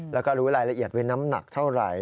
แล้วก็รู้รายละเอียดไว้น้ำหนักเท่าไหร่